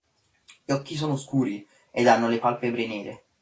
Gli occhi sono scuri ed hanno le palpebre nere.